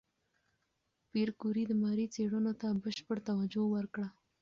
پېیر کوري د ماري څېړنو ته بشپړ توجه ورکړه.